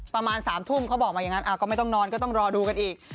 ประมาณ๓ทุ่มเขาบอกมาอย่างนั้นก็ไม่ต้องนอนก็ต้องรอดูกันอีก